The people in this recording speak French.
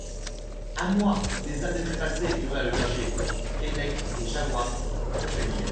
A moi ! les âmes des Trépassés ! hurla le berger, Keinec et Jahoua tressaillirent.